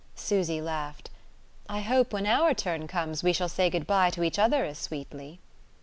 Susy laughed. "I hope when our turn comes we shall say good bye to each other as sweetly."